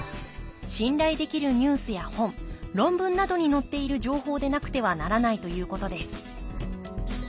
信頼できるニュースや本論文などに載っている情報でなくてはならないということです